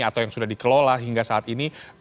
atau yang sudah dikelola hingga saat ini